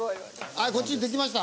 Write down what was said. はいこっちできました。